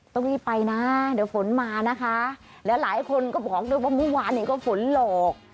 ต้องรีบไปนะเดี๋ยวฝนมานะคะแล้วหลายคนก็บอกด้วยว่าเมื่อวานนี้ก็ฝนหลอก